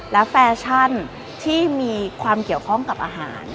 และแฟชั่นที่มีความเกี่ยวข้องกับอาหาร